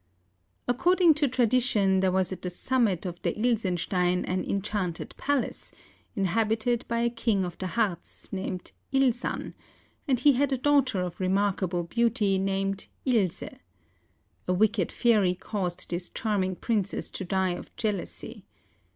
According to tradition, there was at the summit of the Ilsenstein an enchanted palace, inhabited by a king of the Hartz, named Ilsan; and he had a daughter of remarkable beauty, named Use. A wicked fairy caused this charming princess to die of jealousy.